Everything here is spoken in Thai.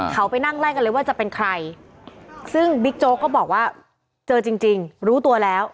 เขาไปนั่งไล่กันเลยว่าจะเป็นใครซึ่งบิ๊กโจ๊กก็บอกว่าเจอจริงรู้ตัวแล้ว